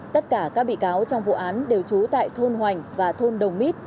tất cả các bị cáo trong vụ án đều trú tại thôn hoành và thôn đồng mít